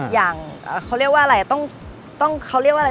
อย่างเขาเรียกว่าอะไร